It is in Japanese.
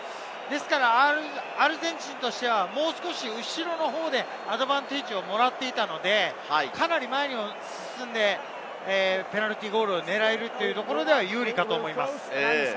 アルゼンチンとしてはもう少し後ろの方でアドバンテージをもらっていたので、かなり前に進んで、ペナルティーゴールを狙えるというところでは有利だと思います。